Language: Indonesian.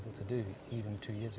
lakukan dua tahun lalu